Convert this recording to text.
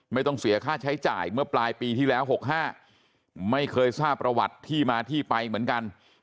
ไม่ต้องเสียค่าใช้จ่ายเมื่อปลายปีที่แล้ว๖๕ไม่เคยทราบประวัติที่มาที่ไปเหมือนกัน